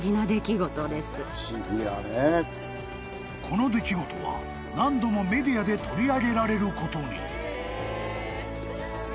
［この出来事は何度もメディアで取り上げられることに］